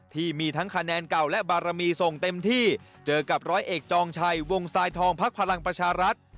ที่มีทั้งคะแนนเก่าและบารมีส่งเต็มที่เจอกับร้อยเอกจองชัยวงทรายทองพักพลังประชารัฐ